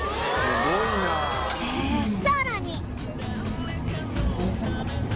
さらに